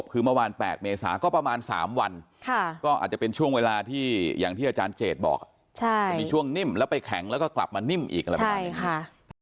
ค่ะก็อาจจะเป็นช่วงเวลาที่อย่างที่อาจารย์เจดบอกใช่มีช่วงนิ่มแล้วไปแข็งแล้วก็กลับมานิ่มอีกใช่ค่ะ